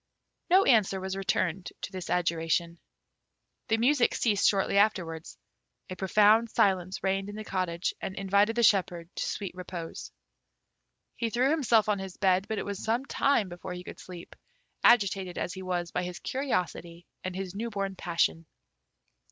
No answer was returned to this adjuration. The music ceased shortly afterwards; a profound silence reigned in the cottage and invited the shepherd to sweet repose. He threw himself on his bed, but it was some time before he could sleep, agitated as he was by his curiosity and his new born passion.